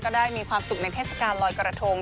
ได้มีความสุขในเทศกาลลอยกระทง